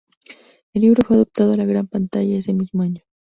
El libro fue adaptado a la gran pantalla ese mismo año.